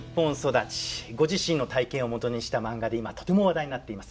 ご自身の体験をもとにした漫画で今とても話題になっています。